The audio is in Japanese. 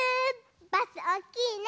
バスおおきいね。